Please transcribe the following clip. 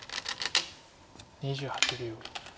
２８秒。